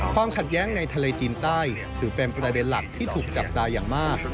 ความขัดแย้งในทะเลจีนใต้ถือเป็นประเด็นหลักที่ถูกจับตาอย่างมาก